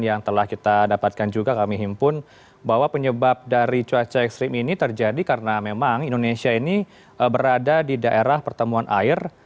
yang telah kita dapatkan juga kami himpun bahwa penyebab dari cuaca ekstrim ini terjadi karena memang indonesia ini berada di daerah pertemuan air